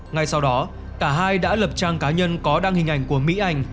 ngay sau đó cả hai đã lập trang cá nhân có đăng hình ảnh của mỹ anh